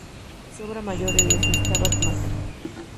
Su obra mayor es el "Stabat Mater".